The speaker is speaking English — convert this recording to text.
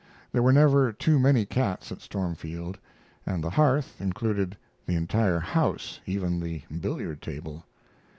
There were never too many cats at Stormfield, and the "hearth" included the entire house, even the billiard table.